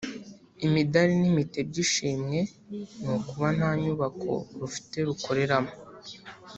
imidari n’impeta by’ishimwe ni ukuba nta nyubako rufite rukoreramo